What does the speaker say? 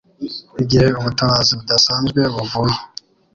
Igihe Ubutabazi Budasanzwe Buvuye